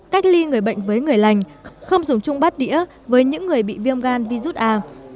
cách ly người bệnh với người lành không dùng chung bát đĩa với những người bị viêm gan virus a